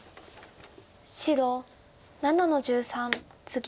白７の十三ツギ。